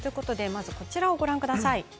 こちらを、ご覧ください。